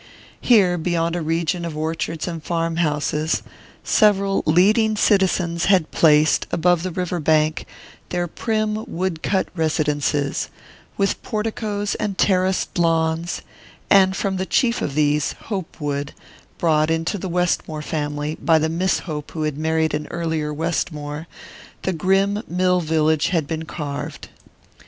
Here, beyond a region of orchards and farm houses, several "leading citizens" had placed, above the river bank, their prim wood cut "residences," with porticoes and terraced lawns; and from the chief of these, Hopewood, brought into the Westmore family by the Miss Hope who had married an earlier Westmore, the grim mill village had been carved.